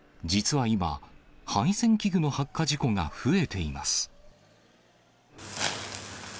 実は今、配線器具の発火事故が増えています。